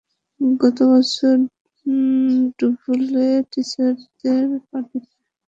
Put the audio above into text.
গতবছর ডুভলে টিটাজেরদের পার্টিতে?